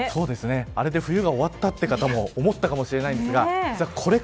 あれで冬が終わったという方も思ったかもしれないんですか